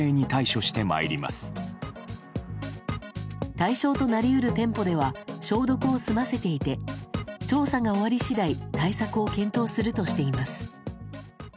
対象となり得る店舗では消毒を済ませていて調査が終わり次第対策を検討するとしています。